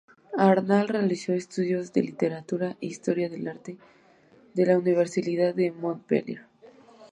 Arnal realizó estudios de literatura e historia del arte en la Universidad de Montpellier.